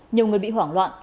nhiều người bị hoảng loạn